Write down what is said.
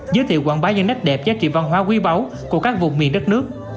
giới thiệu quảng bá nhân ách đẹp giá trị văn hóa quý báu của các vùng miền đất nước